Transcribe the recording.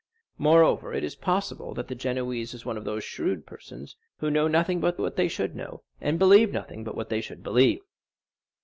Moreover, it is possible that the Genoese was one of those shrewd persons who know nothing but what they should know, and believe nothing but what they should believe.